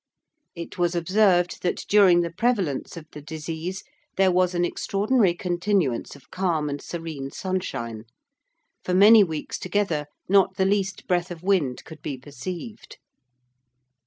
It was observed that during the prevalence of the disease there was an extraordinary continuance of calm and serene sunshine. For many weeks together not the least breath of wind could be perceived.